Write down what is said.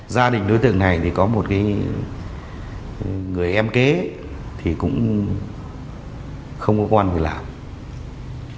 gia đình đối tượng này thì có một cái người em kế thì cũng không có quan về lạc